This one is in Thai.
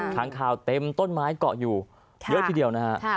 ค้างข่าวเต็มต้นไม้เกาะอยู่เยอะทีเดียวนะฮะ